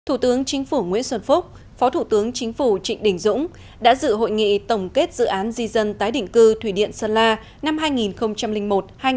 thủ tướng chính phủ nguyễn xuân phúc phó thủ tướng chính phủ trịnh đình dũng đã dự hội nghị tổng kết dự án di dân tái định cư thủy điện sơn la năm hai nghìn một hai nghìn một mươi